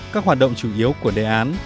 hai các hoạt động chủ yếu của đề án